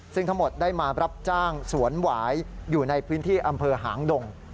ซึ่งทั้งหมดได้มารับจ้างสวนหวายอยู่ในพื้นที่อำเภอหางดง